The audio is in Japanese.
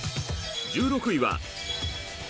１６位は。